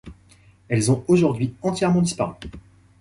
Elles ont aujourd’hui entièrement disparu.